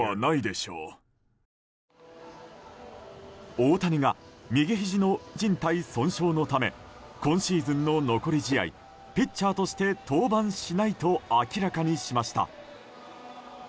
大谷が右ひじのじん帯損傷のため今シーズンの残り試合ピッチャーとして登板しないと明らかにしました。